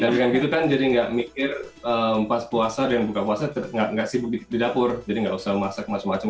dan dengan gitu kan jadi gak mikir pas puasa dan buka puasa gak sibuk di dapur jadi gak usah masak macam macam